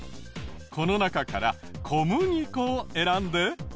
この中から小麦粉を選んで。